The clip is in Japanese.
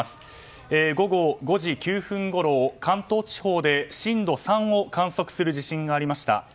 午後５時９分ごろ、関東地方で震度３を観測する地震がありました。